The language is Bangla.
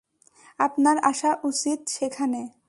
আপনার আসা উচিৎ সেখানে!